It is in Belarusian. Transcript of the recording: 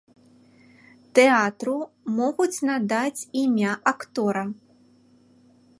Тэатру могуць надаць імя актора.